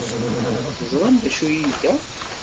Teẓram d acu ay iga?